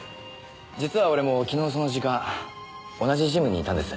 実は俺も昨日その時間同じジムにいたんです。